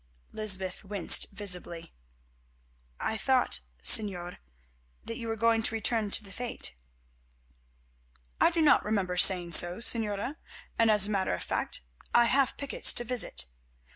Lysbeth winced visibly. "I thought, Señor, that you were going to return to the fete." "I do not remember saying so, Señora, and as a matter of fact I have pickets to visit.